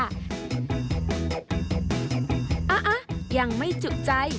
อ้าวยังไม่จุใจ